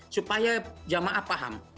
supaya jamaah paham